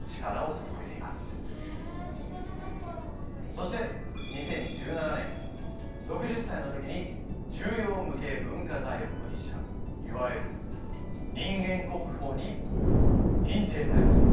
そして２０１７年６０歳の時に重要無形文化財保持者いわゆる人間国宝に認定されました。